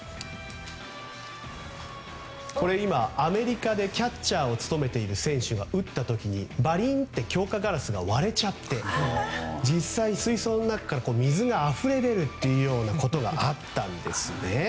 今、アメリカでキャッチャーを務めている選手が打った時に、バリンって強化ガラスが割れちゃって実際、水槽の中から水があふれ出ることがあったんです。